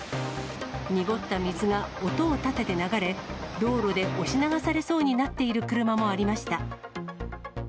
濁った水が音を立てて流れ、道路で押し流されそうなっている車もありました。